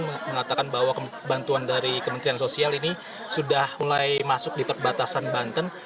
mengatakan bahwa bantuan dari kementerian sosial ini sudah mulai masuk di perbatasan banten